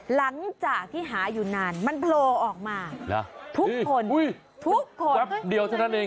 หลังจากที่หาอยู่นานมันโพลออกมาทุกคน